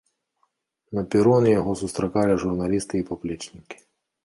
На пероне яго сустракалі журналісты і паплечнікі.